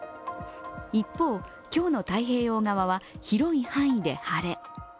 一方、今日の太平洋側は広い範囲で晴れ。